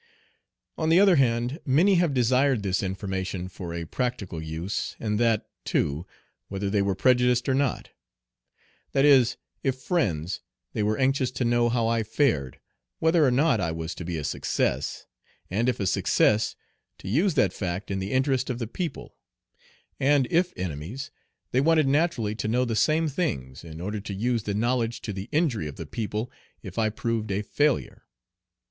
On the other hand, many have desired this information for a practical use, and that, too, whether they were prejudiced or not. That is, if friends, they were anxious to know how I fared, whether or not I was to be a success, and if a success to use that fact in the interest of the people; and if enemies, they wanted naturally to know the same things in order to use the knowledge to the injury of the people if I proved a failure.